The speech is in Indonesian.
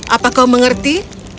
apa kau mengerti